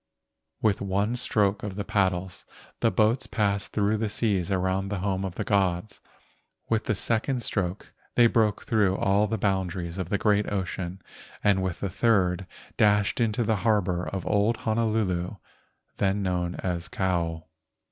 With one stroke of the paddles the boats passed through the seas around the home of the gods. With the second stroke they broke through all the boundaries of the great ocean and with the third dashed into the harbor of old Honolulu, then known as Kou.